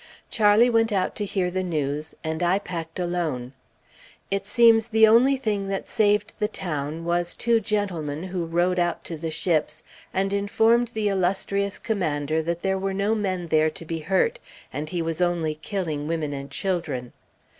Charlie went out to hear the news, and I packed alone. It seems the only thing that saved the town was two gentlemen who rowed out to the ships, and informed the illustrious commander that there were no men there to be hurt, and he was only killing women and children.